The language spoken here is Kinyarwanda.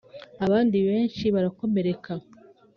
abandi benshi barakomereka